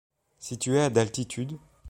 Situé à d'altitude,